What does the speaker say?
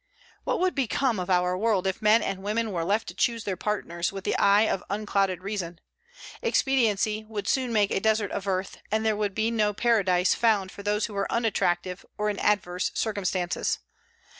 What would become of our world if men and women were left to choose their partners with the eye of unclouded reason? Expediency would soon make a desert of earth, and there would be no paradise found for those who are unattractive or in adverse circumstances.